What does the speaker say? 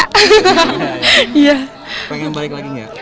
pengen balik lagi gak